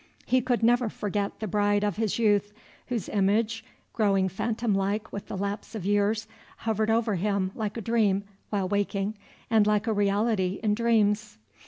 He could never forget the bride of his youth, whose image, growing phantomlike with the lapse of years, hovered over him like a dream while waking and like a reality in dreams.